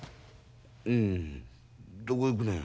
んどこ行くねん？